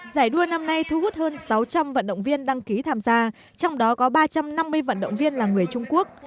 giải đua năm nay thu hút hơn sáu trăm linh vận động viên đăng ký tham gia trong đó có ba trăm năm mươi vận động viên là người trung quốc